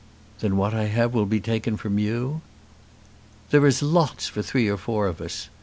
"Then what I have will be taken from you." "There is lots for three or four of us.